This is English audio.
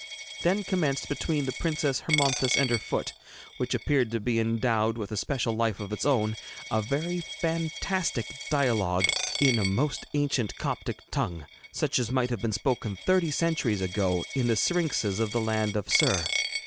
Then commenced between the Princess Hermonthis and her foot which appeared to be endowed with a special life of its own a very fantastic dialogue in a most ancient Coptic tongue, such as might have been spoken thirty centuries ago in the syrinxes of the land of Ser.